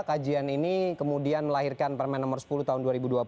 kajian ini kemudian melahirkan permen nomor sepuluh tahun dua ribu dua puluh